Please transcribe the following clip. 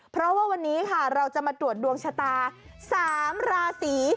เพราะว่าวันนี้ค่ะเราจะมาตรวจดวงชะตา๓ราศี